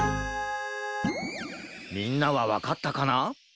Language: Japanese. みんなはわかったかな？